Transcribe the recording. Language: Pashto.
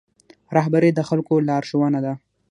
رهبري د خلکو لارښوونه ده